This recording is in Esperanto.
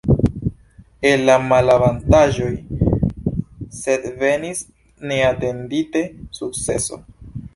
El la malavantaĝoj sed venis neatendite sukceso.